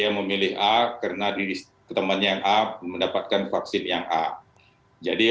jangan memilih vaksin yang terbaik karena teman teman anda mendapatkan vaksin yang terbaik